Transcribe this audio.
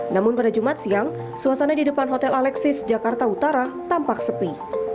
namun pada jumat siang suasana di depan hotel alexis jakarta utara tampak sepi